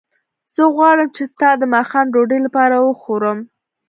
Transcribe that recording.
زه غواړم چې تا د ماښام ډوډۍ لپاره وخورم